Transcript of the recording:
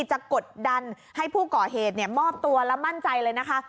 กดดันให้ผู้ก่อเหตุมอบตัวและมั่นใจเลยนะคะ